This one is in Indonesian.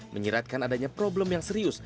menyiratkan adanya problem yang serius